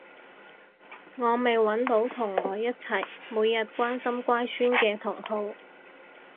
我未搵到同我一齊每日關心乖孫嘅同好